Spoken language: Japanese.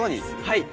はい。